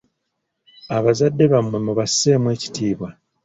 Abazadde bammwe mubasseemu ekitiibwa.